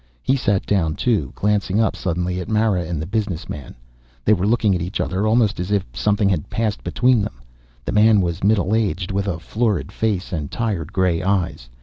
He sat down, too, glancing up suddenly at Mara and the business man. They were looking at each other almost as if something had passed between them. The man was middle aged, with a florid face and tired, grey eyes.